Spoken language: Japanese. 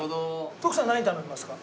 徳さん何頼みますか？